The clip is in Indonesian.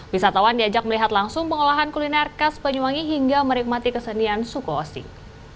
wisatawan diajak melihat langsung pengolahan kuliner khas banyuwangi hingga merikmati kesenian suko ossing